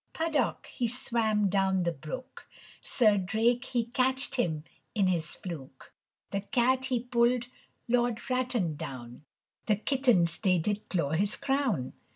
Puddock he swam down the brook, Sir Drake he catched him in his fluke. The cat he pulled Lord Ratton down, The kittens they did claw his crown.